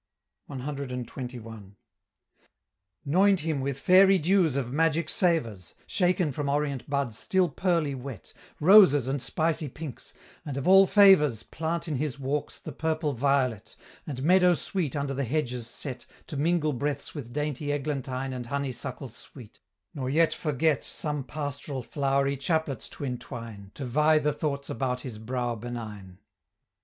CXXI. "'Noint him with fairy dews of magic savors, Shaken from orient buds still pearly wet, Roses and spicy pinks, and, of all favors, Plant in his walks the purple violet, And meadow sweet under the hedges set, To mingle breaths with dainty eglantine And honeysuckles sweet, nor yet forget Some pastoral flowery chaplets to entwine, To vie the thoughts about his brow benign!"